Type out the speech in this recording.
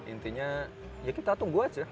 intinya ya kita tunggu aja